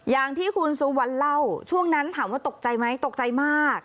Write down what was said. อย่างที่คุณสุวรรณเล่าช่วงนั้นถามว่าตกใจไหมตกใจมาก